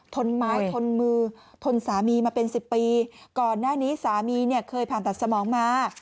นไม้ทนมือทนสามีมาเป็นสิบปีก่อนหน้านี้สามีเนี่ยเคยผ่านตัดสมองมา